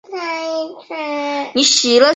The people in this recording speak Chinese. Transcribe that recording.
维奇猪笼草是婆罗洲特有的热带食虫植物。